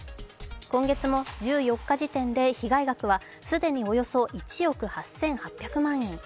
今月も１４日時点で被害額は既に１億８８００万円。